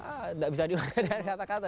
ah nggak bisa dianggap dari kata kata